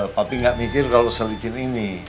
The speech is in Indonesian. bapak enggak mikir kalau selicin ini